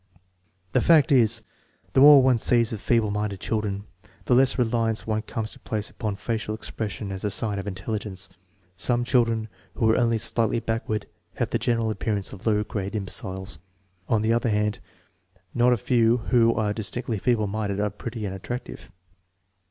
The fact is, the more one sees of feeble minded children, the less reliance one comes to place upon facial expression as a sign of intelligence. Some children who are only slightly backward have the general appearance of low grade im beciles. On the other hand, not a few who are distinctly feeble minded are pretty and attractive.